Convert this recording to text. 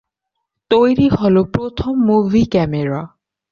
তৈরি হলো প্রথম মুভি ক্যামেরা।